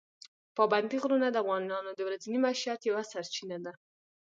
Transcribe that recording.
پابندي غرونه د افغانانو د ورځني معیشت یوه سرچینه ده.